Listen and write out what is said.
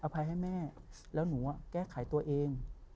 ภัยให้แม่แล้วหนูแก้ไขตัวเอง